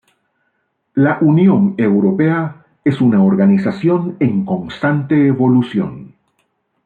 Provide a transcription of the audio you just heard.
La Unión Europea es una organización en constante evolución.